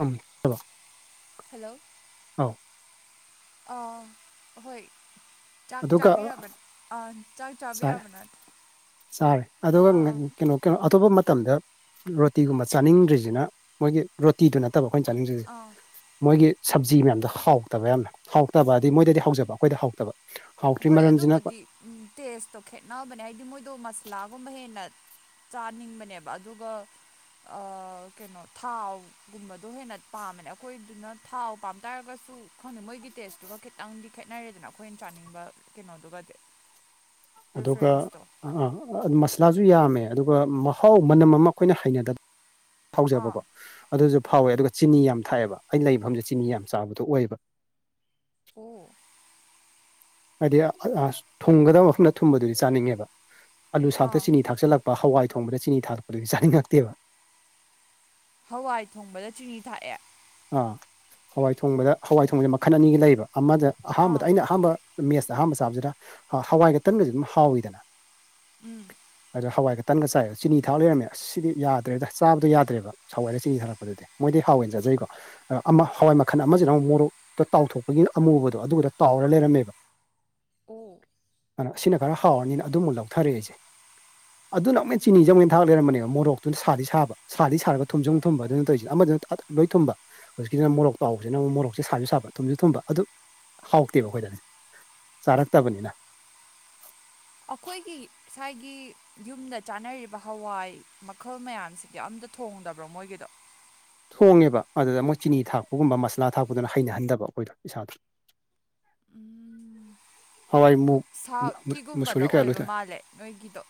ꯑꯝ ꯍꯜꯂꯣ ꯑꯧ ꯑ ꯑꯍꯣꯏ ꯆꯥꯛ ꯑꯗꯨꯒ ꯆꯥꯕꯤꯔꯕꯟ ꯑꯥ ꯆꯥꯛ ꯆꯥꯔꯦ ꯆꯥꯕꯤꯔꯕ ꯅꯠ ꯆꯥꯔꯦ ꯑꯗꯨꯒ ꯑꯥ ꯀꯩꯅꯣ ꯇꯣ ꯑꯇꯣꯞꯄ ꯃꯇꯝꯗ ꯔꯣꯇꯤꯒꯨꯝꯕ ꯆꯥꯅꯤꯡꯗ꯭ꯔꯤꯖꯤꯅ ꯃꯣꯏꯒꯤ ꯔꯣꯇꯤꯗꯨꯅꯠ ꯇꯕ ꯑꯩꯈꯣꯏꯟ ꯆꯥꯅꯤꯡꯗ꯭ꯔꯤꯖꯤ ꯑꯥ ꯃꯣꯏꯒꯤ ꯁꯞꯖꯤ ꯃꯌꯥꯝꯗꯣ ꯍꯥꯎꯇꯕ ꯌꯥꯝꯅ ꯍꯥꯎꯇꯕ ꯑꯗꯤ ꯃꯣꯏꯗꯗꯤ ꯍꯥꯎꯖꯕ ꯑꯈꯣꯏꯗ ꯍꯥꯎꯇꯕ ꯍꯥꯎꯇ꯭ꯔꯤ ꯍꯣꯏ ꯃꯔꯝꯁꯤꯅ ꯑꯗꯨꯕꯨꯗꯤ ꯎꯝ ꯇꯦꯁꯇꯣ ꯈꯦꯠꯅꯕꯅꯦ ꯍꯥꯏꯗꯤ ꯃꯣꯏꯗꯣ ꯃꯁꯂꯥꯒꯨꯝꯕ ꯍꯦꯟꯅ ꯆꯥꯅꯤꯡꯕꯅꯦꯕ ꯑꯗꯨꯒ ꯑ ꯀꯩꯅꯣ ꯊꯥꯎ ꯒꯨꯝꯕꯗꯣ ꯍꯦꯟꯅ ꯄꯥꯝꯕꯅꯦ ꯑꯈꯣꯏꯗꯨꯅ ꯊꯥꯎ ꯄꯥꯝ ꯇꯥꯔꯒꯁꯨ ꯈꯪꯗꯦ ꯃꯣꯏꯒꯤ ꯇꯦꯁ ꯗꯨꯒ ꯈꯤꯇꯪꯗꯤ ꯈꯦꯠꯅꯔꯦꯗꯅ ꯑꯈꯣꯏꯅ ꯆꯥꯅꯤꯡꯕ ꯀꯩꯅꯣꯗꯨꯒꯗꯤ ꯑꯗꯨꯒ ꯄ꯭ꯔꯤꯐꯔꯦꯟꯁꯇꯣ ꯑꯥ ꯃꯁꯂꯥꯖꯨ ꯌꯥꯝꯃꯦ ꯑꯗꯨꯒ ꯃꯍꯥꯎ ꯃꯅꯝ ꯑꯃ ꯑꯩꯈꯣꯏꯅ ꯍꯩꯅꯗꯕ ꯑꯥ ꯐꯥꯎꯖꯕꯀꯣ ꯑꯗꯨꯖꯨ ꯐꯥꯎꯋꯦ ꯑꯗꯨꯒ ꯆꯤꯅꯤ ꯌꯥꯝ ꯊꯥꯛꯑꯦꯕ ꯑꯩꯅ ꯂꯩ ꯃꯐꯝꯖꯦ ꯆꯤꯅꯤ ꯌꯥꯝ ꯆꯥꯕꯗꯣ ꯑꯣꯏꯕ ꯑꯣ ꯍꯥꯏꯗꯤ ꯑ ꯑꯁ ꯊꯨꯝꯒꯗꯕ ꯃꯐꯝꯗ ꯊꯨꯝꯕꯗꯨꯗꯤ ꯆꯥꯅꯤꯡꯉꯦꯕ ꯑꯂꯨ ꯑꯥ ꯁꯥꯛꯇ ꯆꯤꯅꯤ ꯊꯥꯛꯆꯜꯂꯛ ꯄ ꯍꯋꯥꯏ ꯊꯣꯡꯕꯗ ꯆꯤꯅꯤ ꯊꯥꯂꯛꯄꯗꯨꯗꯤ ꯆꯥꯅꯤꯡꯉꯛꯇꯦꯕ ꯍꯋꯥꯏ ꯊꯣꯡꯕꯗ ꯆꯤꯅꯤ ꯊꯥꯛꯑꯦ ꯑꯥ ꯍꯋꯥꯏ ꯊꯣꯡꯕꯗ ꯍꯋꯥꯏ ꯊꯣꯡꯕꯖꯦ ꯃꯈꯟ ꯑꯅꯤꯒꯤ ꯂꯩꯕ ꯑꯃꯗ ꯑꯥ ꯑꯍꯥꯝꯕꯗ ꯑꯩꯅ ꯑꯍꯥꯝꯕ ꯃꯦꯠꯁ ꯑꯍꯥꯥꯝꯕ ꯆꯥꯕꯖꯤꯅ ꯍꯋꯥꯏꯒ ꯇꯟꯒꯖꯤ ꯑꯗꯨꯝ ꯍꯥꯎꯋꯤꯗꯅ ꯎꯝ ꯑꯗꯣ ꯍꯋꯥꯏꯒ ꯇꯟꯒ ꯆꯥꯏꯑꯦꯕ ꯆꯤꯅꯤ ꯊꯥꯛ ꯂꯩꯔꯝꯃꯦ ꯑꯁ ꯁꯤꯗꯤ ꯌꯥꯗ꯭ꯔꯦꯗ ꯆꯥꯕꯗꯣ ꯌꯥꯗ꯭ꯔꯦꯕ ꯍꯧꯋꯥꯏꯗ ꯆꯤꯅꯤ ꯊꯥꯛꯂꯛꯄꯗꯗꯤ ꯃꯣꯏꯗꯤ ꯍꯥꯎꯌꯦꯅ ꯆꯥꯖꯩꯀꯣ ꯑꯃ ꯍꯋꯥꯏ ꯃꯈꯟ ꯑꯃꯖꯤꯅ ꯑꯃꯨꯛ ꯃꯣꯔꯣꯛꯇꯣ ꯇꯥꯎꯊꯣꯛꯄꯒꯤ ꯑꯃꯨꯕꯗꯣ ꯑꯗꯨꯒꯗꯣ ꯇꯥꯎꯔ ꯂꯩꯔꯝꯃꯦꯕ [unintelligible] ꯑꯣ ꯑꯟ ꯑꯁꯤꯅ ꯈꯔ ꯍꯥꯎꯔꯅꯤꯅ ꯑꯗꯨꯃꯨꯛ ꯂꯧꯊꯔꯦ ꯑꯩꯖꯦ ꯑꯗꯨꯅ ꯑꯃꯨꯛ ꯍꯦꯟ ꯆꯤꯅꯤꯖꯤ ꯑꯃꯨꯛ ꯍꯦꯟ ꯊꯥꯛ ꯂꯩꯔꯝꯕꯅꯦꯕ ꯃꯣꯔꯣꯛꯇꯨꯅ ꯁꯥꯗꯤ ꯁꯥꯕ ꯁꯥꯗꯤ ꯁꯥꯔꯒ ꯊꯨꯝꯖꯦ ꯑꯃꯨꯛ ꯊꯨꯝꯕ ꯑꯗꯨꯅꯦ ꯇꯧꯏꯖꯦ ꯑꯃꯗꯨꯅ ꯑꯠ ꯂꯣꯏ ꯊꯨꯝꯕ ꯍꯧꯖꯤꯛꯀꯤꯖꯤꯅ ꯃꯣꯔꯣꯛ ꯇꯥꯎꯕꯖꯤꯅ ꯑꯃꯨꯛ ꯃꯣꯔꯣꯛꯁꯦ ꯁꯥꯖꯨ ꯁꯥꯕ ꯊꯨꯝꯖꯨ ꯊꯨꯝꯕ ꯑꯗꯨ ꯍꯥꯎꯇꯦꯕ ꯑꯈꯣꯏꯗꯗꯤ ꯆꯥꯔꯛꯇꯕꯅꯤꯅ ꯑꯈꯣꯏꯒꯤ ꯁꯥꯏꯒꯤ ꯌꯨꯝꯅ ꯆꯥꯅꯔꯤꯕ ꯍꯋꯥꯏ ꯃꯈꯜ ꯃꯌꯥꯝꯁꯤꯗꯤ ꯑꯝꯇ ꯊꯣꯡꯗꯕ꯭ꯔꯣ ꯃꯣꯏꯒꯤꯗꯣ ꯊꯣꯡꯉꯦꯕ ꯑꯗꯨꯗ ꯃꯣꯏ ꯆꯤꯅꯤ ꯊꯥꯛꯄꯒꯨꯝꯕ ꯃꯁꯂꯥ ꯊꯥꯛꯄꯗꯨꯅ ꯍꯩꯅꯍꯟꯗꯕ ꯑꯈꯣꯏꯗ ꯏꯁꯥꯗ [inaudible] ꯍꯋꯥꯏ ꯃꯨꯛ ꯁꯥꯎꯠꯀꯤꯒꯨꯝꯕꯗ ꯃꯨꯁꯣꯔꯤ ꯀꯌꯥ ꯑꯣꯏꯕ ꯃꯥꯜꯂꯦ ꯅꯣꯏꯒꯤꯗꯣ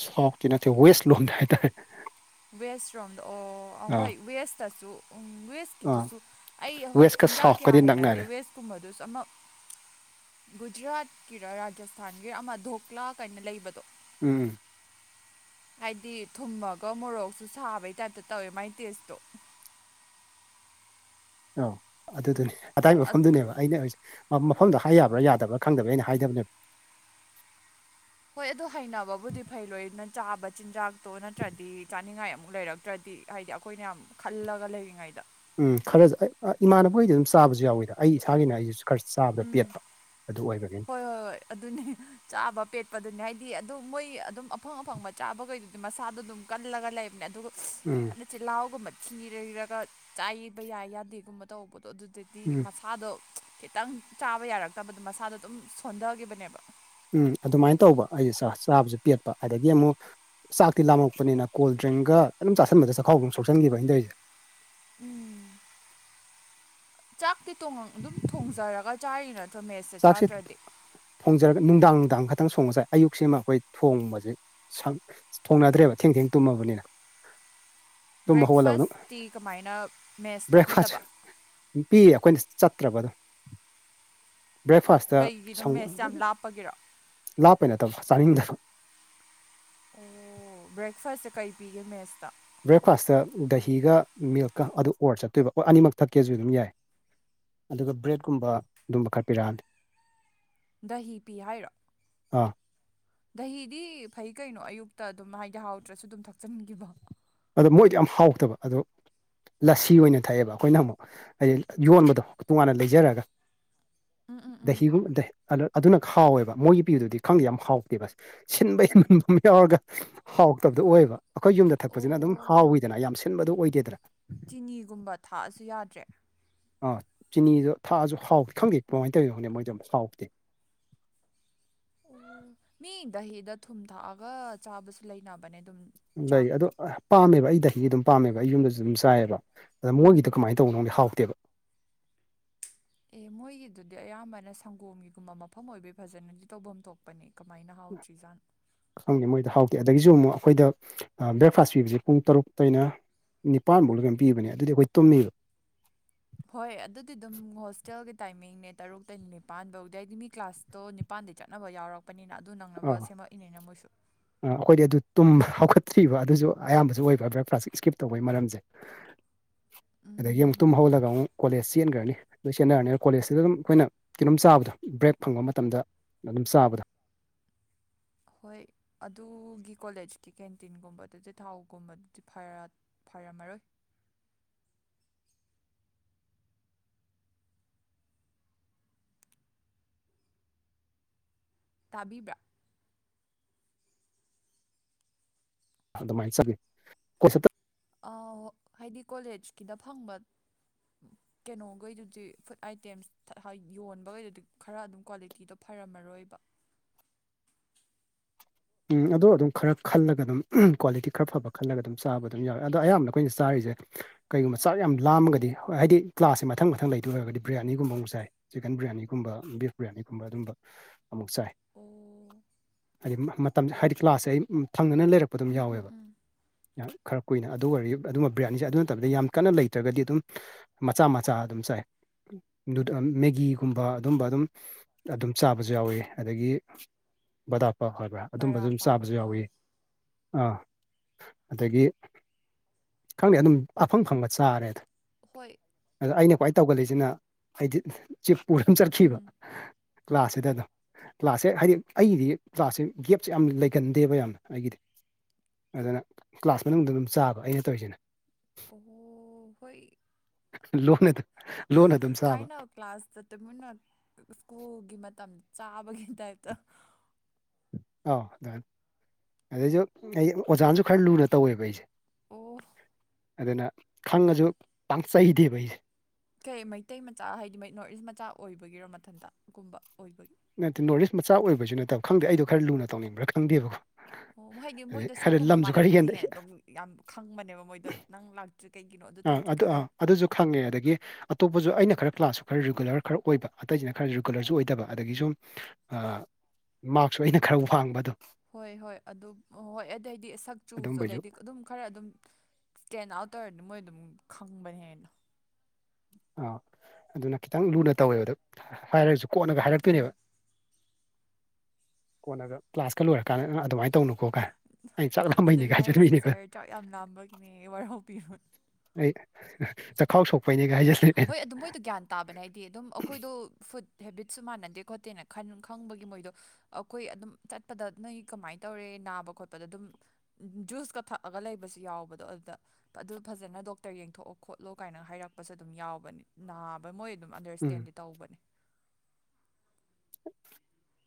ꯁꯣꯎꯠꯀꯤ ꯅꯠꯇꯦ ꯋꯦꯁ ꯂꯣꯝꯗ ꯍꯥꯏꯇꯔꯦ ꯋꯦꯁ ꯐ꯭ꯔꯣꯝꯗ ꯑꯣ ꯑꯥ ꯑꯍꯣꯏ ꯋꯦꯁꯇꯁꯨ ꯎꯝ ꯋꯦꯁ ꯑꯥ ꯀꯤꯗꯨꯁꯨ ꯑꯩ ꯍꯣꯏ ꯋꯦꯁꯀ ꯆꯤꯟꯖꯥꯛ ꯀꯌꯥ ꯁꯥꯎꯠꯀꯗꯤ ꯍꯥꯏꯅꯗꯦ ꯅꯛꯅꯔꯦ ꯋꯦꯁꯀꯨꯝꯕꯗꯨꯁ ꯑꯃ ꯒꯨꯖꯔꯥꯠꯀꯤꯔ ꯔꯥꯖꯁꯊꯥꯟꯒꯤꯔ ꯑꯃ ꯙꯣꯛꯀ꯭ꯂꯥ ꯀꯥꯏꯅ ꯂꯩꯕꯗꯣ ꯎꯝ ꯍꯥꯏꯗꯤ ꯊꯨꯝꯃꯒ ꯃꯣꯔꯣꯛꯁꯨ ꯁꯥꯕꯩ ꯇꯥꯏꯞꯇ ꯇꯧꯋꯦ ꯃꯥꯏ ꯇꯦꯁꯇꯣ ꯑꯧ ꯑꯗꯨꯗꯨꯅꯦ ꯑꯗꯥꯏ‌ ꯑ- ꯃꯐꯝꯗꯨꯅꯦꯕ ꯑꯩꯅ ꯎꯤꯁ ꯃꯥ ꯃꯐꯝꯗꯣ ꯍꯥꯏ ꯌꯥꯕ꯭ꯔꯥ ꯌꯥꯗꯕ꯭ꯔꯥ ꯈꯪꯗꯕ꯭ꯔ ꯑꯩꯅ ꯍꯥꯏꯗꯕꯅꯦꯕ ꯍꯣꯏ ꯑꯗꯣ ꯍꯩꯅꯕꯕꯨꯗꯤ ꯐꯩ ꯂꯣꯏꯅ ꯆꯥꯕ ꯆꯤꯟꯖꯥꯛꯇꯣ ꯅꯠꯇ꯭ꯔꯗꯤ ꯆꯥꯅꯤꯡꯉꯥꯏ ꯑꯃꯨꯛ ꯂꯩꯔꯛ ꯅꯠꯇ꯭ꯔꯗꯤ ꯍꯥꯏꯗꯤ ꯑꯈꯣꯏꯅ ꯌꯥꯝ ꯈꯜꯂꯒ ꯂꯩꯔꯤꯉꯩꯗ ꯎꯝ ꯈꯔꯖ ꯑꯩ ꯑ ꯏꯃꯥꯟꯅꯕ ꯍꯣꯏꯗꯤ ꯑꯗꯨꯝ ꯆꯥꯕꯖꯨ ꯌꯥꯎꯋꯤꯗ ꯑꯩ ꯏꯁꯥꯒꯤꯅ ꯑꯩꯁꯤꯁꯨ ꯈꯔ ꯆꯥꯕꯗ ꯎꯝ ꯄꯦꯠꯄ ꯑꯗꯨ ꯑꯣꯏꯕꯅꯤ ꯍꯣꯏ ꯍꯣꯏ ꯑꯣꯏ ꯑꯗꯨꯅꯤ ꯆꯥꯕ ꯄꯦꯠꯄꯗꯨꯅꯤ ꯍꯥꯏꯗꯤ ꯑꯗꯨ ꯃꯣꯏ ꯑꯗꯨꯝ ꯑꯐꯪ ꯑꯐꯪꯕ ꯆꯥꯕꯈꯩꯗꯨꯗꯤ ꯃꯁꯥꯗꯣ ꯑꯗꯨꯝ ꯀꯜꯂꯒ ꯂꯩꯕꯅꯦ ꯑꯗꯨꯒ ꯎꯝ ꯆꯤꯜꯍꯥꯎꯒꯨꯝꯕ ꯊꯤꯔꯒ ꯆꯥꯏꯕ ꯌꯥꯏ ꯌꯥꯗꯦꯒꯨꯝꯕ ꯇꯧꯕꯗꯣ ꯑꯗꯨꯗꯗꯤ ꯎꯝ ꯃꯁꯥꯗꯣ ꯈꯤꯇꯪ ꯆꯥꯕ ꯌꯥꯔꯛꯇꯕꯗ ꯃꯁꯥꯗꯣ ꯑꯗꯨꯝ ꯁꯣꯟꯊꯈꯤꯕꯅꯦꯕ ꯎꯝ ꯑꯗꯨꯃꯥꯏꯅ ꯇꯧꯕ ꯑꯩꯁꯦ ꯆꯥꯕꯁꯨ ꯄꯦꯠꯄ ꯑꯗꯒꯤ ꯑꯃꯨꯛ ꯆꯥꯛꯇꯤ ꯂꯥꯝꯃꯛꯄꯅꯤꯅ ꯀꯣꯜ ꯗ꯭ꯡꯒ ꯑꯗꯨꯝ ꯆꯥꯁꯟꯕꯗ ꯆꯥꯈꯥꯎ ꯁꯣꯛꯆꯟꯈꯤꯕ ꯑꯩꯅ ꯇꯧꯔꯤꯁꯦ ꯎꯝ ꯆꯥꯛꯀꯤ ꯇꯣꯡꯉ ꯑꯗꯨꯝ ꯊꯣꯡꯖꯔꯒ ꯆꯥꯔꯤ ꯅꯠꯇ꯭ꯔꯣ ꯃꯦꯁꯁꯦ ꯆꯥꯛꯁꯦ ꯆꯥꯗ꯭ꯔꯗꯤ ꯊꯣꯡꯖꯔꯒ ꯅꯨꯡꯗꯥꯡ ꯅꯨꯡꯗꯥꯡ ꯈꯇꯪ ꯊꯣꯡꯉꯆꯥꯏ ꯑꯌꯨꯛꯁꯤꯃ ꯑꯈꯣꯏ ꯊꯣꯡꯕꯖꯦ ꯁꯪ ꯊꯣꯡꯅꯗ꯭ꯔꯦꯕ ꯊꯦꯡ ꯊꯦꯡ ꯇꯨꯝꯃꯕꯅꯤꯅ ꯇꯨꯝꯕ ꯍꯧꯒꯠꯂꯕ ꯑꯗꯨꯝ ꯕ꯭ꯔꯦꯛꯐꯁꯇꯤ ꯀꯃꯥꯏꯅ ꯃꯦꯁꯇ ꯕ꯭ꯔꯦꯛꯐꯥꯁ ꯄꯤꯗꯕ ꯄꯤꯌꯦ ꯑꯩꯈꯣꯏꯅ ꯆꯠꯇ꯭ꯔꯕ ꯑꯗꯨꯝ ꯕꯦꯛꯐꯥꯁ ꯀꯩꯒꯤꯅꯣ ꯃꯦꯁ ꯌꯥꯝ ꯂꯥꯞꯄꯒꯤꯔꯣ ꯂꯥꯞꯄꯩ ꯅꯠꯇꯕ ꯆꯥꯅꯤꯡꯗꯕ ꯑꯣ ꯕ꯭ꯔꯦꯛꯐꯥꯁꯁꯦ ꯀꯩ ꯄꯤꯒꯦ ꯃꯦꯁꯇ ꯕ꯭ꯔꯦꯛꯐꯥꯁꯇ ꯗꯍꯤꯒ ꯃꯤꯜꯛꯀ ꯑꯗꯨ ꯑꯣꯔ ꯆꯠꯇꯣꯏꯕ ꯑꯣ ꯑꯅꯤꯃꯛ ꯊꯛꯀꯦꯖꯨ ꯑꯗꯨꯝ ꯌꯥꯏ ꯑꯗꯨꯒ ꯕ꯭ꯔꯦꯗꯀꯨꯝꯕ ꯑꯗꯨꯝꯕ ꯈꯔ ꯄꯤꯔꯛꯑꯅꯤ ꯗꯍꯤ ꯄꯤ ꯍꯥꯏꯔꯣ ꯑꯥ ꯗꯍꯤꯗꯤ ꯐꯩ ꯀꯩꯅꯣ ꯑꯌꯨꯛꯇ ꯑꯗꯨꯝ ꯍꯥꯏꯗꯤ ꯍꯥꯎꯗ꯭ꯔꯁꯨ ꯑꯗꯨꯝ ꯊꯛꯆꯟꯒꯤꯕ ꯑꯗꯣ ꯃꯣꯏꯗꯣ ꯌꯥꯝ ꯍꯥꯎꯇꯕ ꯑꯗꯣ ꯂꯁꯤ ꯑꯣꯏꯅ ꯊꯛꯑꯦꯕ ꯑꯈꯣꯏꯅ ꯑꯃꯨꯛ ꯍꯥꯏꯗꯤ ꯌꯣꯟꯕꯗꯣ ꯇꯣꯉꯥꯟꯅ ꯂꯩꯖꯔꯒ ꯗꯍꯤꯒꯨꯝꯕ ꯗ ꯑꯗꯨ ꯑꯗꯨꯅ ꯈꯥꯎꯋꯦꯕ ꯃꯣꯏꯒꯤ ꯄꯕꯗꯨꯗꯤ ꯈꯪꯗꯦ ꯌꯥꯝ ꯍꯥꯎꯇꯦꯕ ꯁꯤꯟꯕ ꯍꯦꯃꯝꯕꯃ ꯌꯥꯎꯔꯒ ꯍꯥꯎꯇꯕꯗꯣ ꯑꯣꯏꯕ ꯑꯈꯣꯏ ꯌꯨꯝꯗ ꯑꯣ ꯊꯛꯄꯖꯤꯅ ꯑꯗꯨꯝ ꯍꯥꯎꯋꯤꯗꯅ ꯌꯥꯝ ꯁꯤꯟꯕꯗꯨ ꯑꯣꯏꯗꯦꯗꯅ ꯆꯤꯅꯤꯒꯨꯝꯕ ꯊꯛꯑꯁꯨ ꯌꯥꯗ꯭ꯔꯦ ꯑꯥ ꯆꯤꯅꯤꯗꯣ ꯊꯥꯛꯑꯁꯨ ꯍꯥꯎ ꯈꯪꯗꯦ ꯀꯃꯥꯏꯅ ꯇꯧꯏꯅꯣ ꯈꯪꯗꯦ ꯃꯣꯏꯗꯣ ꯍꯥꯎꯇꯦ ꯑꯣ ꯃꯤ ꯗꯍꯥꯗ ꯊꯨꯝ ꯊꯛꯑꯒ ꯆꯥꯕꯁꯨ ꯂꯩꯅꯕꯅꯦ ꯗꯨꯝ ꯂꯩ ꯑꯗꯣ ꯄꯥꯝꯃꯦꯕ ꯑꯩ ꯗꯍꯤ ꯑꯗꯨꯝ ꯄꯥꯝꯃꯦꯕ ꯑꯩ ꯌꯨꯝꯗꯖꯨ ꯑꯗꯨꯝ ꯆꯥꯏꯌꯦꯕ ꯑꯗ ꯃꯣꯏꯒꯤꯗꯣ ꯎꯝ ꯀꯃꯥꯏ ꯇꯧꯅꯧꯗꯤ ꯍꯥꯎꯇꯦꯕ ꯑꯦ ꯃꯣꯏꯒꯤꯗꯨꯗꯤ ꯑꯌꯥꯝꯕꯅ ꯁꯪꯒꯣꯝꯒꯤꯒꯨꯝꯕ ꯃꯐꯝ ꯑꯣꯏꯕꯩ ꯐꯖꯅꯗꯤ ꯇꯧꯐꯝ ꯊꯣꯛꯄ ꯄꯅꯦ ꯀꯃꯥꯏꯅ ꯍꯥꯎꯇꯤ ꯖꯥꯠꯅꯣ ꯈꯪꯗꯦ ꯃꯣꯏꯗꯣ ꯍꯥꯎꯇꯦ ꯑꯗꯒꯤꯁꯨ ꯑꯃꯨꯛ ꯑꯩꯈꯣꯏꯗ ꯕ꯭ꯔꯦꯛꯐꯥꯁ ꯄꯤꯕꯁꯦ ꯄꯨꯡ ꯇꯔꯨꯛꯇꯩꯩꯅ ꯅꯤꯄꯥꯟꯃꯨꯛ ꯂ ꯀꯩꯅꯣꯝ ꯄꯤꯕꯅꯦ ꯑꯗꯨꯗꯤ ꯑꯩꯈꯣꯏ ꯇꯨꯝꯅꯤꯕ ꯍꯣꯏ ꯑꯗꯨꯗꯤ ꯑꯗꯨꯝ ꯍꯣꯁꯇꯦꯜꯒꯤ ꯇꯥꯏꯃꯤꯡꯅꯦ ꯇꯔꯨꯛꯇꯩ ꯅꯤꯄꯥꯟꯕꯧꯗꯤ ꯍꯥꯏꯗꯤ ꯃꯤ ꯀ꯭ꯂꯥꯁ ꯇꯣ ꯅꯤꯄꯥꯟꯗꯩ ꯆꯠꯅꯕ ꯌꯥꯎꯔꯛꯄꯅꯤꯅ ꯑꯗꯨ ꯅꯪꯅꯕ ꯁꯦꯝꯃꯛꯏꯅꯤꯅ ꯃꯣꯏꯁꯨ ꯑꯈꯣꯏꯗꯤ ꯑꯗꯨ ꯇꯨꯝꯕ ꯍꯧꯈꯠꯇ꯭ꯔꯤꯕ ꯑꯗꯨꯖꯨ ꯑꯌꯥꯝꯕꯖꯨ ꯑꯣꯏꯕ ꯕ꯭ꯔꯦꯛ ꯄ꯭ꯔꯥꯁ ꯀꯤ ꯏꯁꯀꯤꯞ ꯇꯧꯕꯩ ꯃꯔꯝꯖꯦ [inaudible] ꯑꯗꯒꯤ ꯑꯃꯨꯛ ꯇꯨꯝ ꯎꯝ ꯍꯧꯜꯂꯒ ꯑꯃꯨꯛ ꯀꯣꯂꯦꯁ ꯆꯦꯟꯒꯔꯥꯅꯤ ꯑꯗꯂꯣꯏ ꯆꯦꯟꯅꯔꯅꯤ ꯀꯣꯂꯦꯖꯁꯤꯗ ꯑꯗꯨꯝ ꯑꯩꯈꯣꯏꯅ ꯀꯩꯅꯣꯝ ꯑꯗꯨꯝ ꯆꯥꯕꯗꯣ ꯕ꯭ꯔꯦꯛ ꯐꯪꯕ ꯃꯇꯝꯗ ꯑꯗꯨꯝ ꯆꯥꯕꯗꯣ ꯍꯣꯏ ꯑꯗꯨꯒꯤ ꯀꯣꯂꯦꯖꯀꯤ ꯀꯦꯟꯇꯤꯟꯒꯨꯝꯕ ꯑꯗꯨꯗꯤ ꯊꯥꯎꯒꯨꯝꯕꯗꯨꯗꯤ ꯐꯔ ꯐꯔꯝꯃꯔꯣꯏ ꯇꯥꯕꯤꯕ꯭ꯔꯥ ꯑꯗꯨꯃꯥꯏꯅ ꯆꯠꯒꯦ ꯀꯣꯏ ꯁ ꯑꯥꯎ ꯍꯥꯏꯗꯤ ꯀꯣꯂꯦꯁꯀꯤꯗ ꯐꯪꯕ ꯀꯦꯩꯅꯣꯈꯩꯗꯨꯗꯤ ꯐꯨꯗ ꯑꯥꯏꯇꯦꯝꯁ ꯌꯣꯟꯕꯈꯩꯗꯨꯗꯤ ꯈꯔ ꯑꯗꯨꯝ ꯀ꯭ꯋꯥꯂꯤꯇꯤꯗꯣ ꯐꯔꯝꯃꯔꯣꯏꯕ ꯎꯝ ꯑꯗꯣ ꯑꯗꯨꯝ ꯈꯔ ꯈꯜꯂꯒ ꯑꯗꯨꯝ ꯑꯝ ꯀ꯭ꯋꯥꯂꯤꯇꯤ ꯈꯔ ꯐꯕ ꯈꯜꯂꯒ ꯑꯗꯨꯝ ꯆꯥꯕ ꯑꯗꯨꯝ ꯌꯥꯔ ꯑꯗꯣ ꯑꯌꯥꯝꯕꯅ ꯑꯈꯣꯏꯅ ꯆꯥꯔꯤꯖꯦ ꯀꯩꯒꯨꯝꯕ ꯆꯥꯛ ꯌꯥꯝ ꯂꯥꯝꯃꯒꯗꯤ ꯍꯣꯏ ꯍꯥꯏꯗꯤ ꯀ꯭ꯂꯥꯁꯁꯦ ꯃꯊꯪ ꯃꯊꯪ ꯂꯩꯇꯣꯏ ꯑꯣꯏꯔꯒꯗꯤ ꯕ꯭ꯔꯤꯌꯥꯅꯤꯒꯨꯝꯕ ꯑꯃꯨꯛ ꯆꯥꯏ ꯆꯤꯛꯀꯟ ꯕꯤꯔꯌꯥꯅꯤꯒꯨꯝꯕ ꯕꯤꯐ ꯕꯤꯔꯌꯥꯅꯤꯒꯨꯝꯕ ꯑꯗꯨꯝꯕ ꯑꯃꯨꯛ ꯆꯥꯏ ꯑꯣ ꯍꯥꯏꯗꯤ ꯃ ꯃꯇꯝꯖꯦ ꯍꯥꯏꯗꯤ ꯀ꯭ꯂꯥꯁꯁꯦ ꯑꯝ ꯊꯪꯅꯅ ꯂꯩꯔꯛ ꯑꯗꯨꯝ ꯎꯝ ꯎꯝ ꯌꯥꯎꯋꯦꯕ ꯎꯝ ꯈꯔ ꯀꯨꯏꯅ ꯑꯗꯨ ꯑꯣꯏꯔꯗꯤ ꯑꯗꯨꯝꯕ ꯕ꯭ꯔꯥꯟꯅꯤꯁꯦ ꯑꯗꯨ ꯅꯠꯇꯕꯗ ꯌꯥꯝ ꯀꯟꯅ ꯂꯩꯇ꯭ꯔꯒꯗꯤ ꯑꯗꯨꯝ ꯃꯆꯥ ꯃꯆꯥ ꯑꯗꯨꯝ ꯆꯥꯏ ꯃꯦꯒꯤꯒꯨꯝꯕ ꯑꯗꯨꯝꯕ ꯑꯗꯨꯝ ꯑꯗꯨꯝ ꯆꯥꯕꯁꯨ ꯌꯥꯎꯋꯤ ꯑꯗꯒꯤ ꯕꯗꯥꯞꯄ ꯍꯣꯏ ꯑꯗꯨꯝꯕ ꯕꯔꯥ ꯑꯗꯨꯝ ꯄꯥꯎ ꯆꯥꯕꯁꯨ ꯑꯥ ꯌꯥꯎꯏꯤ ꯑꯥ ꯑꯗꯒꯤ ꯈꯪꯗꯦ ꯑꯗꯨꯝ ꯑꯐꯪ ꯐꯪꯕ ꯆꯥꯔꯦꯗ ꯍꯣꯏ ꯑꯗ ꯑꯩꯅ ꯈ꯭ꯋꯥꯏ ꯇꯧꯒꯜꯂꯤꯏꯁꯤꯅ ꯍꯥꯏꯗꯤ ꯄꯨꯔꯝ ꯆꯠꯈꯤꯕ ꯎꯝ ꯀ꯭ꯂꯥꯁꯁꯤꯗ ꯑꯗ ꯀ꯭ꯂꯥꯁꯁꯦ ꯍꯥꯏꯗꯤ ꯑꯩꯒꯤꯗꯤ ꯀ꯭ꯂꯥꯁꯁꯦ ꯒꯦꯞꯁꯦ ꯌꯥꯝ ꯂꯩꯒꯟꯗꯦꯕ ꯌꯥꯝꯅ ꯑꯩꯒꯤꯗꯤ ꯑꯗꯨꯅ ꯀ꯭ꯂꯥꯁ ꯃꯅꯨꯡꯗ ꯑꯗꯨꯝ ꯆꯥꯕ ꯑꯩꯅ ꯇꯧꯔꯤꯁꯤꯅ ꯑꯣ ꯍꯣꯏ ꯂꯣꯟꯣꯟ ꯈꯥꯏꯅ ꯀ꯭ꯂꯥꯁ ꯇꯃꯅ ꯁ꯭ꯀꯨꯜꯒꯤ ꯃꯇꯝ ꯆꯥꯕꯒꯤ ꯇꯥꯏꯞꯇ ꯑꯧ ꯑꯗꯨ ꯑꯗꯨꯗꯩꯁꯨ ꯑꯩ ꯑꯣꯖꯥꯅꯁꯨ ꯈꯔ ꯂꯨꯅ ꯇꯧꯋꯦꯕ ꯑꯩꯁꯦ ꯑꯣꯐ ꯑꯗꯨꯅ ꯈꯪꯉꯁꯨ ꯄꯥꯡꯆꯩꯗꯦꯕ ꯑꯩꯁꯦ ꯀꯩ ꯃꯩꯇꯩ ꯃꯆꯥ ꯍꯥꯏꯗꯤ ꯃꯩ ꯅꯣꯔꯠ ꯏꯁ ꯃꯆꯥ ꯑꯣꯏꯕꯒꯤꯔꯣ ꯃꯊꯟꯇ ꯒꯨꯝꯕ ꯑꯣꯏꯕꯒꯤ ꯅꯠꯇꯦ ꯅꯣꯔꯠ ꯏꯁ ꯃꯆꯥ ꯑꯣꯏꯕꯁꯨ ꯅꯠꯇꯕ ꯈꯪꯗꯦ ꯑꯩꯗꯣ ꯈꯔ ꯂꯨꯅ ꯇꯧꯅꯤꯡꯕ꯭ꯔꯥ ꯈꯪꯗꯦꯕꯀꯣ ꯑꯣ ꯍꯥꯏꯗꯤ ꯑꯗꯩ ꯃꯣꯏꯗꯣ ꯈꯔ ꯁꯛꯀꯨꯝꯕ ꯂꯝꯁꯨ ꯈꯔ ꯍꯦꯟ ꯃꯥꯟꯅꯗ꯭ꯔꯔꯤꯗꯤ ꯍꯦꯟꯅ ꯑꯗꯨꯝ ꯌꯥꯝ ꯈꯪꯕꯅꯦꯕ ꯃꯣꯏꯗꯣ ꯅꯪ ꯂꯥꯛꯇ꯭ꯔꯤ ꯀꯩꯒꯤꯅꯣ ꯑꯥ ꯇꯧꯗ꯭ꯔꯤ ꯑꯗꯨ ꯑꯥ ꯀꯩꯒꯤꯅꯣ ꯑꯗꯨꯁꯨ ꯈꯪꯉꯦ ꯑꯗꯒꯤ ꯑꯇꯣꯞꯄꯁꯨ ꯑꯩꯅ ꯈꯔ ꯀ꯭ꯂꯥꯁꯁꯨ ꯈꯔ ꯔꯤꯒꯨꯂꯔ ꯈꯔ ꯑꯣꯏꯕ ꯑꯇꯩꯁꯤꯅ ꯈꯔ ꯔꯤꯒꯨꯂꯔꯁꯨ ꯑꯣꯏꯗꯕ ꯑꯗꯒꯤ ꯁꯨꯝ ꯃꯔꯁꯨ ꯑꯩꯅ ꯈꯔ ꯋꯥꯡꯕ ꯑꯗꯣ ꯍꯣꯏ ꯍꯣꯏ ꯑꯗꯨꯝ ꯍꯣꯏ ꯑꯗꯨꯗꯩꯗꯤ ꯁꯛ ꯆꯨꯕꯁꯨ ꯑꯗꯨꯝꯕꯩꯁꯨ ꯑꯗꯨꯗꯩꯗꯤ ꯑꯗꯨꯝ ꯈꯔ ꯑꯗꯨꯝ ꯁ꯭ꯀꯦꯟ ꯑꯥꯎꯠ ꯇꯧꯔꯗꯤ ꯃꯣꯏ ꯑꯗꯨꯝ ꯈꯪꯕꯅꯦ ꯍꯥꯏꯅ ꯑꯥ ꯑꯗꯨꯅ ꯈꯤꯇꯪ ꯂꯨꯅ ꯇꯧꯋꯦꯕꯗ ꯍꯥꯏꯔꯒꯁꯨ ꯀꯣꯠꯂꯒ ꯎꯝ ꯍꯥꯏꯔꯛꯇꯣꯏꯅꯦꯕ ꯀꯣꯟꯅꯒ ꯀ꯭ꯂꯥꯁꯀ ꯂꯣꯏꯔ ꯀꯥꯟꯗ ꯑꯗꯨꯃꯥꯏꯅ ꯇꯧꯅꯨꯀꯣꯒꯥꯏ ꯑꯩꯅ ꯑꯗꯨꯅꯦ ꯆꯠꯂꯝꯝꯕꯩꯅꯦꯒ ꯍꯥꯏꯁꯦ ꯍꯥꯏꯖꯔꯃꯤꯅꯦꯒꯣ ꯁꯥꯔ ꯆꯥꯛ ꯌꯥꯝ ꯂꯥꯝꯕꯒꯤꯅꯦ ꯋꯥꯔꯍꯧꯕꯤꯔꯨꯅꯦ ꯑꯩ ꯆ ꯈꯥꯎ ꯁꯣꯛꯥꯏꯩꯒ ꯍꯣꯏ ꯑꯗꯨ ꯃꯣꯏꯗꯣ ꯒ꯭ꯌꯥꯟ ꯇ ꯇꯥꯕꯅꯦ ꯍꯥꯏꯗꯤ ꯑꯗꯨꯝ ꯑꯩꯈꯣꯏꯗꯣ ꯐꯨꯗ ꯍꯦꯕꯤꯠꯁꯨ ꯃꯥꯟꯅꯗꯦ ꯈꯣꯠꯇꯦꯅꯟ ꯈꯪꯕꯒꯤ ꯃꯣꯏꯗꯣ ꯑꯩꯈꯣꯏ ꯑꯗꯨꯝ ꯆꯠꯄꯗ ꯅꯣꯏ ꯀꯃꯥꯏꯅ ꯇꯧꯔꯦ ꯅꯥꯕ ꯈꯣꯠꯄꯗ ꯑꯗꯨꯝ ꯖꯨꯁꯀ ꯊꯛꯑꯒ ꯂꯩꯕꯁꯨ ꯌꯥꯎꯕꯗꯣ ꯑꯗꯨꯗ ꯑꯗꯨ ꯐꯖꯅ ꯗꯣꯛꯇꯔ ꯌꯦꯡꯊꯣꯛꯑꯣ ꯈꯣꯠꯂꯣ ꯀꯥꯏꯅ ꯍꯥꯏꯔꯛꯄ ꯄꯁꯨ ꯑꯗꯨꯝ ꯌꯥꯎꯕꯅꯤ ꯅꯥꯕ ꯃꯣꯏ ꯑꯗꯨꯝ ꯎꯝ ꯑꯟꯗꯔꯁ꯭ꯇꯦꯟꯗꯤ ꯇꯧꯕꯅꯦ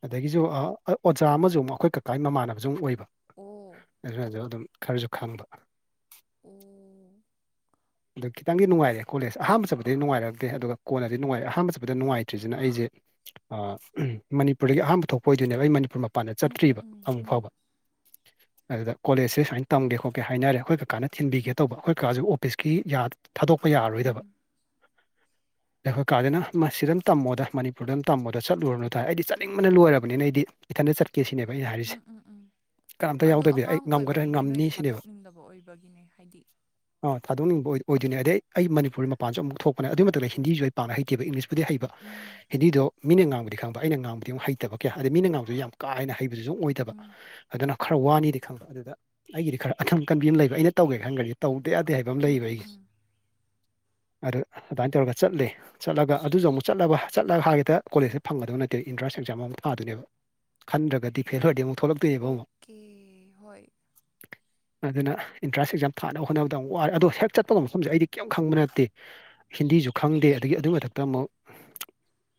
ꯑꯗꯒꯤꯁꯨ ꯑꯣꯖꯥ ꯑꯃꯁꯨ ꯑꯃꯨꯛ ꯑꯩꯈꯣꯏ ꯀꯀꯥꯒꯤ ꯃꯃꯥꯟꯅꯕꯁꯨ ꯑꯃꯨꯛ ꯑꯣꯏꯕ ꯑꯣ ꯑꯗꯨꯅꯁꯨ ꯑꯗꯨꯝ ꯈꯔꯁꯨ ꯈꯪꯕ ꯑꯣ ꯑꯗꯨ ꯈꯤꯇꯪꯗꯤ ꯅꯨꯡꯉꯥꯏꯔꯦ ꯀꯣꯂꯦꯖꯁ ꯑꯍꯥꯟꯕ ꯆꯠꯄꯗꯤ ꯅꯨꯡꯉꯥꯏꯔꯛꯇꯦ ꯑꯗꯨꯒ ꯀꯣꯟꯅꯗꯤ ꯅꯨꯡꯉꯥꯏꯔꯦ ꯑꯍꯥꯟꯕ ꯆꯠꯄꯗ ꯅꯨꯡꯉꯥꯏꯇ꯭ꯁꯤꯅ ꯑꯩꯁꯦ ꯃꯅꯤꯄꯨꯔꯗꯒꯤ ꯑꯍꯥꯟꯕ ꯊꯣꯛꯄ ꯑꯣꯏꯗꯣꯏꯅꯦꯕ ꯑꯩ ꯃꯅꯤꯄꯨꯔ ꯃ ꯄꯥꯟꯅ ꯎꯝ ꯎꯝ ꯆꯠꯇ꯭ꯔꯤꯕ ꯎꯝ ꯑꯃꯨꯛ ꯎꯝ ꯐꯥꯎꯕ ꯑꯗꯨꯗ ꯀꯣꯂꯦꯖꯁꯦ ꯁꯨꯃꯥꯏꯅ ꯇꯝꯒꯦ ꯈꯣꯠꯀꯦ ꯍꯥꯏꯅꯔꯦ ꯑꯩꯈꯣꯏ ꯀꯀꯥꯅ ꯊꯤꯟꯕꯤꯒꯦ ꯇꯧꯕ ꯑꯩꯈꯣꯏ ꯀꯀꯥꯁꯨ ꯑꯣꯐꯤꯁꯀꯤ ꯌꯥ ꯊꯥꯗꯣꯛꯄ ꯌꯥꯔꯔꯣꯏꯗꯕ꯫ ꯎꯝ ꯂꯩꯐ ꯀꯥꯗꯦꯅ ꯃꯁꯤꯗ ꯑꯗꯨꯝ ꯇꯝꯃꯣꯗ ꯃꯅꯤꯄꯨꯔꯗ ꯇꯝꯃꯣꯗ ꯆꯠꯂꯨꯔꯕꯅꯨꯗ ꯑꯩꯗꯤ ꯆꯠꯅꯤꯡꯕꯅ ꯂꯣꯏꯔꯕꯅꯤꯅ ꯑꯩꯗꯤ꯫ ꯏꯊꯟꯇ ꯆꯠꯀꯦ ꯁꯤꯅꯦꯕ ꯑꯩꯅ ꯍꯥꯏꯔꯤꯁꯦ ꯎꯝ ꯎꯝ ꯎꯝ ꯀꯅꯝꯇ ꯌꯥꯎꯗꯕꯤ ꯑꯩ ꯉꯝꯒꯗ꯭ꯔꯥ ꯉꯝꯅꯤ ꯁꯤꯅꯦꯕ꯫ ꯗꯕ ꯑꯣꯏ ꯕꯒꯤꯅꯦ ꯍꯥꯏꯗꯤ ꯑꯥ ꯊꯥꯗꯣꯛꯅꯤꯡꯕ ꯑꯣꯏ ꯑꯣꯏꯗꯣꯏꯅꯦ ꯑꯗꯩ ꯑꯩ ꯃꯅꯤꯄꯨꯔꯤ ꯃꯄꯥꯟꯁꯨ ꯑꯃꯨꯛ ꯊꯣꯛꯄꯅꯦ ꯑꯗꯨꯏ ꯃꯛꯇꯗ ꯍꯤꯟꯗꯤꯁꯨ ꯑꯩ ꯄꯥꯅ ꯍꯩꯇꯦꯕ ꯏꯪꯂꯤꯁ ꯄꯨꯗꯤ ꯍꯩꯕ ꯎꯝ ꯍꯤꯟꯗꯤꯗꯣ ꯃꯤꯅ ꯉꯥꯡꯕꯗꯤ ꯈꯪꯕ ꯑꯩꯅ ꯉꯥꯡꯕꯗꯤ ꯑꯃꯨꯛ ꯍꯩꯇꯕ ꯀꯌꯥ ꯑꯗꯗꯤ ꯃꯤꯅ ꯉꯥꯡꯕꯁꯨ ꯌꯥꯝ ꯀꯥ ꯍꯦꯅ ꯍꯩꯕꯗꯨꯁꯨ ꯑꯣꯏꯗꯕ ꯎꯝ ꯑꯗꯨꯅ ꯈꯔ ꯋꯥꯅꯤꯗꯤ ꯈꯪꯕ ꯑꯗꯨꯗ ꯑꯩꯒꯤꯗꯤ ꯈꯔ ꯑꯅꯝ ꯀꯟꯕꯤ ꯑꯃꯥ ꯂꯩꯕ ꯑꯩꯅ ꯇꯧꯒꯦ ꯈꯟꯈ꯭ꯔꯗꯤ ꯇꯧꯗ ꯌꯥꯗꯦ ꯍꯥꯏꯕ ꯕꯝ ꯎꯝ ꯂꯩꯌꯦꯕ ꯎꯝ ꯑꯩꯒꯤ꯫ [unintelligible] ꯑꯗ ꯑꯗꯨꯃꯥꯏꯅ ꯇꯧꯔꯒ ꯆꯠꯂꯦ꯫ ꯆꯠꯂꯒ ꯑꯗꯨꯁꯨ ꯑꯃꯨꯛ ꯆꯠꯂꯕ ꯆꯠꯂꯒ ꯍꯥ ꯍꯦꯛꯇ ꯀꯣꯂꯦꯖꯇ ꯐꯪꯒꯗꯕ ꯅꯠꯇꯦꯕ ꯏꯟꯇ꯭ꯔꯥꯟꯁ ꯑꯦꯛꯖꯥꯝ ꯑꯃꯨꯛ ꯊꯥꯗꯣꯏꯅꯦꯕ ꯈꯟꯗ꯭ꯔꯒꯗꯤ ꯐꯦꯜ ꯑꯣꯏꯔꯗꯤ ꯑꯃꯨꯛ ꯊꯣꯛꯂꯛꯇꯣꯏꯅꯦꯕ ꯑꯃꯨꯛ꯫ ꯑꯣꯀꯦ ꯍꯣꯏ ꯑꯗꯨꯅ ꯑꯦꯟꯇ꯭ꯔꯥꯟꯁ ꯑꯦꯛꯖꯥꯝ ꯊꯥꯅꯕ ꯍꯣꯠꯅꯕꯗ ꯑꯃꯨꯛ ꯋꯥꯔꯦ ꯑꯗꯣ ꯍꯦꯛ ꯆꯠꯄꯒ ꯃꯐꯝꯁꯦ ꯑꯩꯗꯤ ꯀꯔꯤꯝ ꯈꯪꯕ ꯅꯠꯇꯦ ꯍꯤꯟꯗꯤꯁꯨ ꯈꯪꯗꯦ ꯑꯗꯒꯤ ꯑꯗꯨꯏ ꯃꯊꯛꯇ ꯑꯃꯨꯛ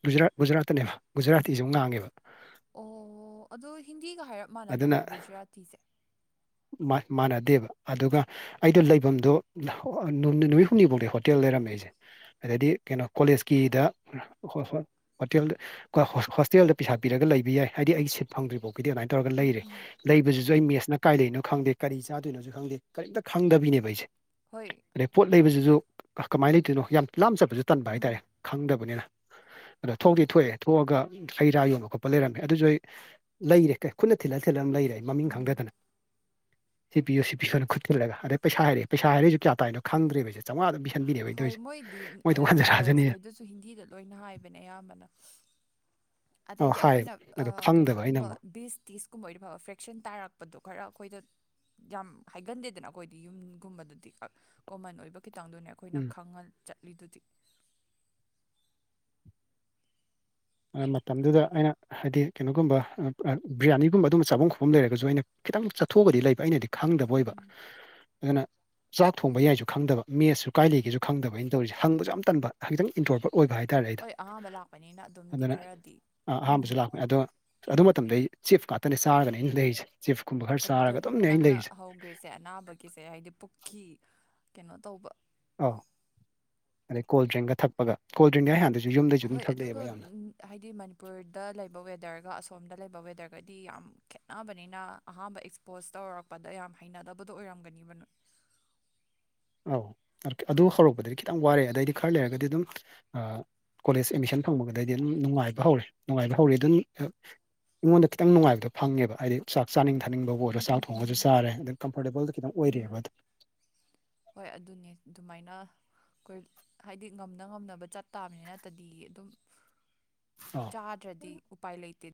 ꯒꯨꯖꯔꯥꯠ ꯒꯨꯖꯔꯥꯠ ꯇꯥꯅꯦꯕ ꯒꯨꯖꯔꯇꯤꯁꯨ ꯑꯃꯨꯛ ꯉꯥꯡꯉꯦꯕ꯫ ꯑꯣ ꯑꯗꯣ ꯍꯤꯟꯗꯤꯒ ꯍꯥꯏꯔꯞ ꯃꯥꯟꯅꯗꯕ꯭ꯔꯣ ꯒꯨꯖꯔꯥꯇꯤꯁꯦ꯫ ꯃꯥ ꯃꯥꯟꯅꯗꯦꯕ ꯑꯗꯨꯒ ꯑꯩꯗꯣ ꯂꯩꯐꯝꯗꯣ ꯅꯨꯃꯤꯠ ꯅꯨꯃꯤꯠ ꯍꯨꯝꯅꯤꯐꯥꯎꯗꯤ ꯍꯣꯇꯦꯜ ꯂꯩꯔꯝꯃꯦ ꯑꯩꯁꯦ꯫ ꯑꯗꯩꯗꯤ ꯀꯩꯅꯣ ꯀꯣꯂꯦꯖꯀꯤꯗ꯫ ꯍꯣꯏ ꯍꯣꯏ ꯍꯣꯇꯦꯜꯗ ꯀ ꯍꯣꯁꯇꯦꯜꯗ ꯄꯩꯁꯥ ꯄꯤꯔꯒ ꯂꯩꯕ ꯌꯥꯏ ꯍꯥꯏꯗꯤ ꯑꯩꯒꯤ ꯁꯤꯠ ꯐꯪꯗ꯭ꯔꯤꯐꯥꯎ ꯀꯗꯤ ꯑꯗꯨꯅꯥꯏ ꯇꯧꯔꯒ ꯎꯝ ꯂꯩꯔꯦ꯫ ꯎꯝ ꯂꯩꯕꯁꯤꯁꯨ ꯑꯩ ꯃꯦꯠꯁꯅ ꯀꯥꯏ ꯂꯩꯔꯤꯅꯣ ꯈꯪꯗꯦ ꯀꯔꯤ ꯆꯥꯗꯣꯏꯅꯣꯁꯨ ꯈꯪꯗꯦ ꯀꯔꯤꯝꯇ ꯈꯪꯗꯕꯤꯅꯦꯕ ꯑꯩꯁꯦ꯫ ꯍꯣꯏ꯫ ꯑꯗꯩ ꯄꯣꯠ ꯂꯩꯕꯁꯤꯁꯨ ꯀꯃꯥꯏꯅ ꯂꯩꯇꯣꯏꯅꯣ ꯌꯥꯝ ꯂꯥꯝ ꯆꯠꯕꯁꯨ ꯇꯟꯕ ꯎꯝ ꯍꯥꯏꯇꯥꯔꯦ ꯈꯪꯗꯕꯅꯤꯅ꯫ ꯑꯗꯣ ꯊꯣꯛꯇꯤ ꯊꯣꯛꯑꯦ ꯊꯣꯛꯑꯒ ꯍꯩ ꯔꯥ ꯌꯣꯟꯕ ꯈꯣꯠꯄ ꯂꯩꯔꯝꯃꯦ ꯑꯗꯨꯁꯨ ꯑꯩ ꯂꯩꯔꯦ ꯀꯩ ꯈꯨꯠꯅ ꯊꯤꯜꯂ ꯊꯤꯜꯂ ꯂꯩꯔꯦ ꯃꯃꯤꯡ ꯎꯝ ꯈꯪꯗꯗꯅ꯫ ꯁꯤꯄꯤꯌꯣ ꯁꯤ ꯂꯄꯤꯌꯣꯅ ꯈꯨꯠꯊꯤꯜꯂꯒ ꯑꯗꯩ ꯄꯩꯁꯥ ꯍꯥꯏꯔꯛꯑꯦ ꯄꯩꯁꯥ ꯍꯥꯏꯔꯛꯏꯁꯨ ꯀꯌꯥ ꯇꯥꯏꯅꯣ꯫ ꯈꯪꯗ꯭ꯔꯦꯕꯁꯦ ꯆꯧꯉꯥ ꯑꯗꯨꯝ ꯄꯤꯁꯟꯕꯤꯅ ꯑꯩꯟ ꯇꯧꯁꯦ ꯃꯣꯏ ꯊꯣꯛꯄ ꯍꯟꯖꯔꯛꯑꯅꯦꯗ꯫ ꯁ ꯍꯤꯟꯗꯤꯗ ꯂꯣꯏꯅ ꯍꯥꯏꯕꯅꯦ ꯑꯌꯥꯝꯕꯅ ꯑꯧ ꯑꯗꯩꯗꯤ ꯑꯩꯈꯣꯏꯅ ꯍꯥꯏꯌꯦꯕ ꯑꯗꯣ ꯑꯥ ꯈꯪꯗꯕ ꯑꯩꯅ ꯀꯩꯅꯣꯒꯨꯝꯕ ꯑꯃꯨꯛ ꯕꯤꯁ ꯇꯤꯁ ꯀꯨꯝꯕ ꯑꯣꯏ ꯐꯕ ꯐ꯭ꯔꯦꯛꯁꯟ ꯇꯥꯔꯛꯄꯗꯣ ꯈꯔ ꯑꯩꯈꯣꯏꯗ ꯌꯥꯝ ꯍꯥꯏꯒꯟꯗꯦꯗꯅ ꯑꯩꯈꯣꯏꯗꯤ ꯌꯨꯝꯒꯨꯝꯕꯗꯗꯤ ꯀꯣꯃꯟ ꯑꯣꯏꯕ ꯈꯤꯇꯪꯗꯅꯦꯕ꯫ ꯎꯝ ꯑꯩꯈꯣꯏꯅ ꯈꯪꯉ ꯆꯠꯂꯤꯗꯨꯗꯤ꯫ ꯑꯗꯨ ꯃꯇꯝꯗꯨꯗ ꯑꯩꯅ ꯍꯥꯏꯗꯤ ꯀꯩꯅꯣꯒꯨꯝꯕ ꯕꯤ꯭ꯔꯌꯥꯅꯤꯒꯨꯝꯕ ꯑꯗꯨꯝꯕ ꯆꯥꯐꯝ ꯈꯣꯠꯐꯝ ꯂꯩꯔꯒꯁꯨ ꯑꯩꯅ ꯈꯤꯇꯪ ꯆꯠꯊꯣꯛꯑꯒꯗꯤ ꯂꯩꯕ ꯑꯩꯅꯗꯤ ꯈꯪꯗꯕ ꯑꯣꯏꯕ ꯎꯝ ꯑꯗꯨꯅ ꯆꯥꯛ ꯊꯣꯡꯕ ꯌꯥꯏꯁꯨ ꯈꯪꯗꯕ ꯃꯦꯠꯁꯨ ꯀꯥꯏ ꯂꯩꯒꯦꯁꯨ ꯈꯪꯗꯕ ꯑꯩꯟ ꯇꯧꯔꯤꯁꯦ ꯍꯪꯕꯁꯨ ꯌꯥꯝ ꯇꯟꯕ ꯍꯥꯈꯤꯛꯇꯪ ꯏꯟꯇꯣꯔꯕꯠ ꯑꯣꯏꯕ ꯍꯥꯏꯇꯥꯔꯦ꯫ ꯑꯩꯗꯣ ꯑꯍꯥꯕ ꯂꯥꯛꯄꯅꯤꯅ ꯑꯗꯨꯝꯗꯤ ꯑꯗꯨꯅ ꯈꯔꯗꯤ ꯎꯝ ꯑꯍꯥꯥꯟꯕꯁꯨ ꯂꯥꯛꯄꯅꯦ ꯑꯗꯣ ꯑꯗꯨ ꯃꯇꯝꯗ ꯑꯩ ꯆꯤꯞ ꯉꯥꯛꯇꯅꯦ ꯆꯥꯔꯒꯅꯤ ꯑꯩꯅ ꯂꯩꯁꯦ꯫ ꯆꯤꯐꯀꯨꯝꯕ ꯈꯔ ꯆꯥꯔꯒ ꯑꯗꯨꯝꯅꯦ ꯑꯩꯅ ꯂꯩꯔꯤꯁꯦ꫰꫰ ꯒ꯭ꯔꯤꯠꯁꯦ ꯑꯅꯥꯕꯒꯤꯁꯦ ꯍꯥꯏꯗꯤ ꯄꯨꯛꯀꯤ ꯀꯩꯅꯣ ꯇꯧꯕ꯫ ꯑꯧ ꯑꯗꯩ ꯀꯣꯜ ꯗ꯭ꯔꯤꯡꯒ ꯊꯛꯄꯒ ꯀꯣꯜ ꯗ꯭ꯔꯤꯡꯗꯤ ꯑꯩ ꯍꯥꯟꯗꯩꯁꯨ ꯌꯨꯝꯗꯩꯁꯨ ꯑꯗꯨꯝ ꯍꯣꯏ ꯑꯗꯨꯒ ꯊꯛꯂꯛꯑꯦꯕ ꯑꯩ ꯌꯥꯝꯅ꯫ ꯎꯝ, ꯍꯥꯏꯗꯤ ꯃꯅꯤꯄꯨꯔꯗ ꯂꯩꯕ ꯋꯦꯗꯔꯒ ꯑꯁꯣꯝꯗ ꯂꯩꯕ ꯋꯦꯗꯔꯒꯗꯤ ꯌꯥꯝ ꯈꯦꯠꯅꯕꯅꯤꯅ ꯑꯍꯥꯥꯟꯕ ꯑꯦꯛꯁꯄꯣꯖ ꯇꯧꯔꯛꯄꯗ ꯌꯥꯝ ꯍꯩꯅꯗꯕꯗꯣ ꯑꯣꯏꯔꯝꯒꯅꯤꯕ ꯅꯣꯏ꯫ ꯑꯧ ꯑꯗꯨ ꯍꯧꯔꯛꯄꯗꯗꯤ ꯈꯤꯇꯪ ꯋꯥꯔꯦ ꯑꯗꯩꯗꯤ ꯈꯔ ꯂꯩꯔꯒꯗꯤ ꯑꯗꯨꯝ ꯀꯣꯂꯦꯖ ꯑꯦꯗꯃꯤꯁꯟ ꯐꯪꯕꯒꯗꯩꯗꯤ ꯑꯗꯨꯝ ꯅꯨꯡꯉꯥꯏꯕ ꯍꯧꯔꯦ ꯅꯨꯡꯉꯥꯏꯕ ꯍꯧꯔꯦ ꯑꯗꯨꯝ ꯑꯩꯉꯣꯟꯗ ꯈꯤꯇꯪ ꯅꯨꯡꯉꯥꯏꯕꯗꯣ ꯐꯪꯉꯦꯕ ꯍꯥꯏꯗꯤ ꯆꯥꯛ ꯆꯥꯅꯤꯡ ꯊꯥꯅꯤꯡꯕꯕꯨ ꯑꯣꯏꯔ‌ꯣ ꯎꯝ ꯆꯥꯛ ꯎꯝ ꯊ‌ꯣꯡꯉꯒꯁꯨ ꯎꯝ ꯆꯥꯔ‌ꯦ ꯑꯗꯩ ꯀꯝꯐꯣꯔꯇꯦꯕꯜꯗ ꯈꯤꯇꯪ ꯎꯝ ꯑꯣꯏꯔ‌ꯦꯕ ꯍꯣꯏ ꯑꯗꯨꯅꯦ ꯑꯗꯨꯃꯥꯏꯅ ꯑꯩꯈꯣꯏ ꯍꯥꯏꯗꯤ ꯉꯝꯅ ꯉꯝꯅꯕ ꯆꯠꯇꯥꯕꯅꯤꯅ ꯅꯠꯇꯔꯗꯤ ꯑꯗꯨꯝ [inaudible] ꯆꯥꯗ꯭ꯔꯗꯤ ꯎꯄꯥꯏ ꯂꯩꯇꯦ